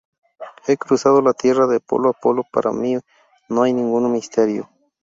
He cruzado la tierra de polo a polo, para mi no hay ningún misterio.